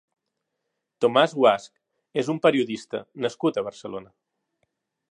Tomás Guasch és un periodista nascut a Barcelona.